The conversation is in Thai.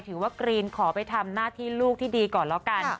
กว่ากรีนขอไปทำหน้าที่ลูกที่ดีก่อนแล้วกัน